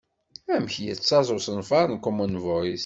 Amek yettaẓ usenfar n Common Voice?